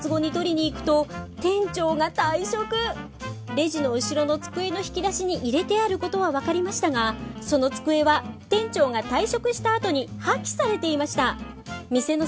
レジの後ろの机の引き出しに入れてあることは分かりましたがその机は店長が退職したあとに破棄されていました。